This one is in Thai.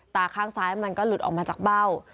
ตาข้างซ้ายมันก็หลุดออกมาจากเบ้า